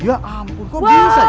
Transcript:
ya ampun kok bisa